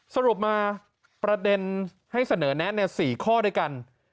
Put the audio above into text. สรุปมาประเด็นให้เสนอแนะ๔ข้อด้วยกัน